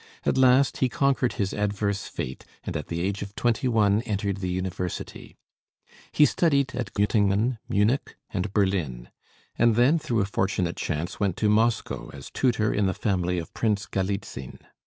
At last he conquered his adverse fate, and at the age of twenty one entered the University. He studied at Göttingen, Munich, and Berlin, and then through a fortunate chance went to Moscow as tutor in the family of Prince Galitzin.